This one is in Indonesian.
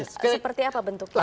seperti apa bentuknya